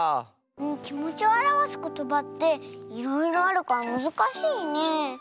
きもちをあらわすことばっていろいろあるからむずかしいね。